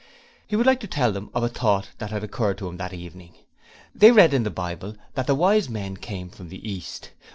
But he would like to tell them of a Thought that had occurred to him that evening. They read in the Bible that the Wise Men came from the East.